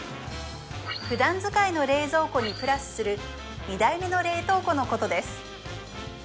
普段使いの冷蔵庫にプラスする２台目の冷凍庫のことです